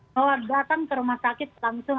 mau datang ke rumah sakit langsung